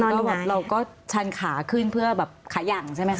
เราก็ชันขาขึ้นเพื่อแบบขาย่างใช่ไหมคะ